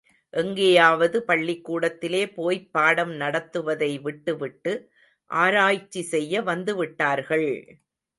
எங்கேயாவது பள்ளிக்கூடத்திலே போய்ப் பாடம் நடத்துவதை விட்டு விட்டு, ஆராய்ச்சி செய்ய வந்துவிட்டார்கள்!